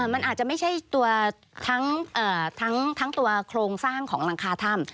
มันอาจจะไม่ใช่ตัวทั้งตัวโครงสร้างของหลังคาถ้ำ